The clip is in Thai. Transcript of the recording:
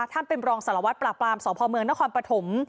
ท่านเป็นรองสารวัตรปลาปลามสระพมงค์นครปฐม